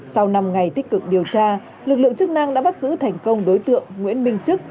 sau năm ngày tích cực điều tra lực lượng chức năng đã bắt giữ thành công đối tượng nguyễn minh chức